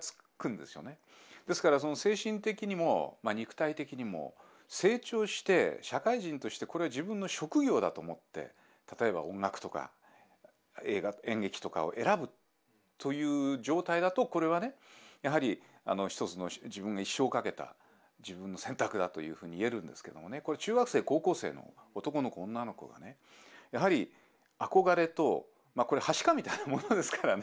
ですからその精神的にも肉体的にも成長して社会人としてこれ自分の職業だと思って例えば音楽とか演劇とかを選ぶという状態だとこれはねやはり一つの自分の一生を懸けた自分の選択だというふうに言えるんですけどもねこれ中学生高校生の男の子女の子がねやはり憧れとこれはしかみたいなものですからね